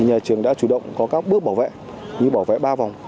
nhà trường đã chủ động có các bước bảo vệ như bảo vệ ba vòng